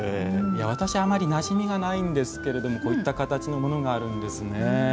私、あまりなじみがないんですがこういった形のものがあるんですね。